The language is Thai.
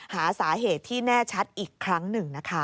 หาสาเหตุที่แน่ชัดอีกครั้งหนึ่งนะคะ